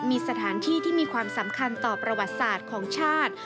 มีสถานที่ที่มีความสำคัญต่อประวัติศาสตร์ของชาติ